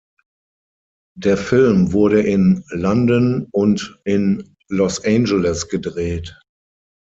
Der Film wurde in London und in Los Angeles gedreht.